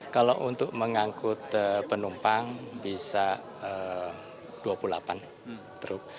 kalau untuk mengangkut penumpang bisa dua puluh delapan truk